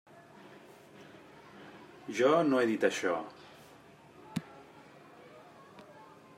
Jo no he dit això.